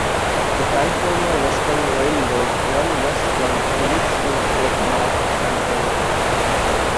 The California Western Railroad runs west from Willits to Fort Bragg, California.